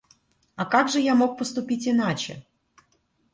А как же я мог поступить иначе?